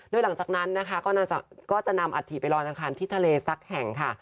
โดยหลังจากนั้นก็จะนำอัดถี่ไปรอนรางคันที่ทะเลซักแห่งค่ะ